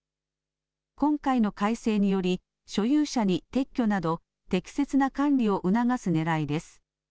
今回の改正により、所有者に撤去など、適切な管理を促すねらいです。